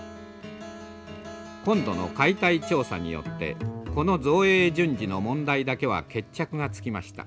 今度の解体調査によってこの造営順次の問題だけは決着がつきました。